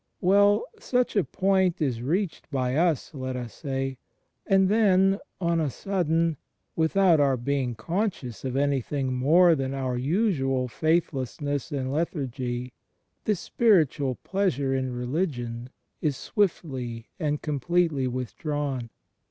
Well, such a point is reached by us, let us say; and then, on a sudden, without our being conscious of anything more than our usual faithlessness and lethargy, this spiritual pleasure in religion is swiftly and completely withdrawn.